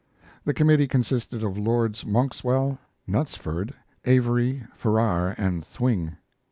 The committee consisted of Lords Monkswell, Knutsford, Avebury, Farrar, and Thwing.